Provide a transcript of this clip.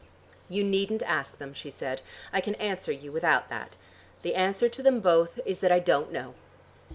"You needn't ask them," she said. "I can answer you without that. The answer to them both is that I don't know."